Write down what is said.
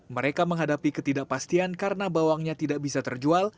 mereka menghadapi ketidakpastian karena bawangnya tidak bisa terjual